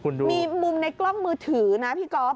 มีมุมในกล้องมือถือนะพี่กอล์ฟ